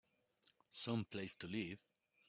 Some place to live!